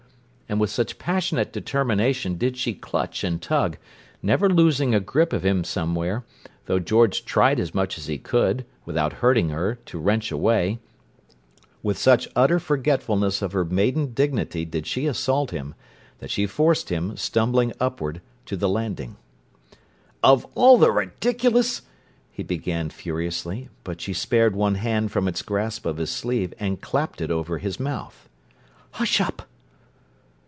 And with such passionate determination did she clutch and tug, never losing a grip of him somewhere, though George tried as much as he could, without hurting her, to wrench away—with such utter forgetfulness of her maiden dignity did she assault him, that she forced him, stumbling upward, to the landing. "Of all the ridiculous—" he began furiously; but she spared one hand from its grasp of his sleeve and clapped it over his mouth. "Hush up!"